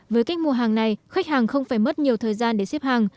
với cách mua hàng này khách hàng không phải mất nhiều thời gian để xếp hàng